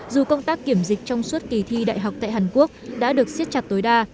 dù công tác kiểm dịch trong suốt kỳ thi đại học tại hàn quốc đã được siết chặt tối đa